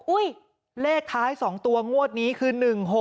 เลขท้าย๒ตัวงวดนี้คือ๑๖๖